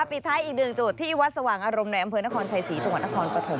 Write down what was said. ปิดท้ายอีกหนึ่งจุดที่วัดสว่างอารมณ์ในอำเภอนครชัยศรีจังหวัดนครปฐม